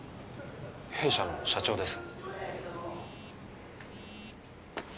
弊社の社長です